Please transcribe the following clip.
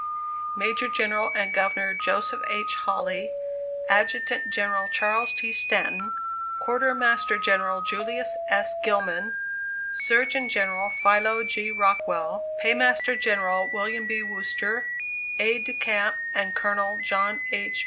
Major General and Governor Joseph H. Hawley; Adjutant General Charles T. Stanton; Quartermaster General Julius S. Gilman; Surgeon General Philo G. Rockwell; Paymaster General William B. Wooster; Aides de Camp and Colonel John H.